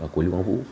của lưu quang vũ